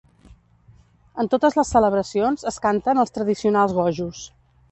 En totes les celebracions es canten els tradicionals gojos.